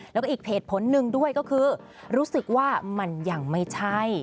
แล้วก็อีกเหตุผลหนึ่งด้วยก็คือรู้สึกว่ามันยังไม่ใช่